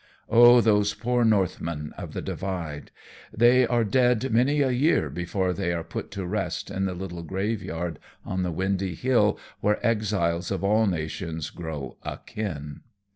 Oh, those poor Northmen of the Divide! They are dead many a year before they are put to rest in the little graveyard on the windy hill where exiles of all nations grow akin.